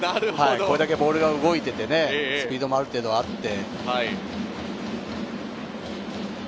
これだけボールが動いててスピードもある程度あるので。